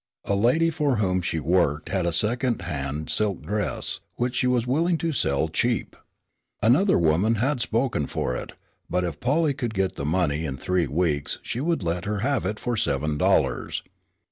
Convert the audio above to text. A lady for whom she worked had a second hand silk dress, which she was willing to sell cheap. Another woman had spoken for it, but if Polly could get the money in three weeks she would let her have it for seven dollars.